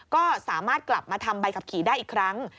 ก็สามารถกลับมาทำใบขับขี่ได้อีกครั้ง